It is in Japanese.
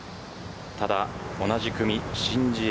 ただ同じ組、申ジエ